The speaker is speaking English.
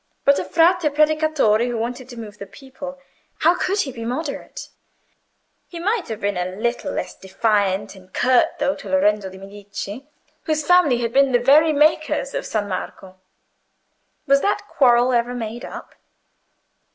But a Frate Predicatore who wanted to move the people—how could he be moderate? He might have been a little less defiant and curt, though, to Lorenzo de' Medici, whose family had been the very makers of San Marco: was that quarrel ever made up?